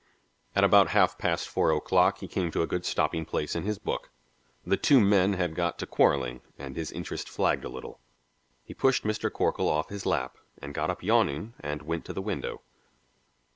At about half past four o'clock he came to a good stopping place in his book; the two men had got to quarrelling, and his interest flagged a little. He pushed Mr. Corkle off his lap and got up yawning and went to the window.